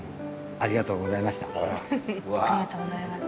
ありがとうございます。